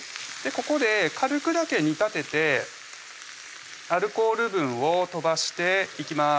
ここで軽くだけ煮立ててアルコール分を飛ばしていきます